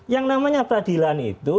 yang namanya peradilan itu